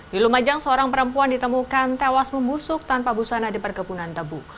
di lumajang seorang perempuan ditemukan tewas membusuk tanpa busana di perkebunan tebu